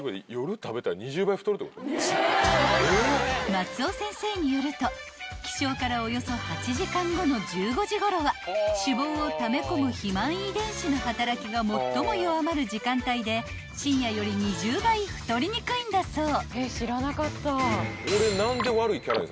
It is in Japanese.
［松尾先生によると起床からおよそ８時間後の１５時ごろは脂肪をため込む肥満遺伝子の働きが最も弱まる時間帯で深夜より２０倍太りにくいんだそう］